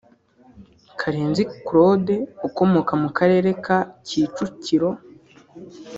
Karenzi Claude ukomoka mu Karere ka Kicukiro